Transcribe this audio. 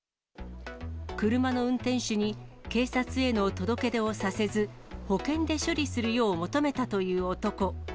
車の運転手に警察への届け出をさせず、保険で処理するよう求めたという男。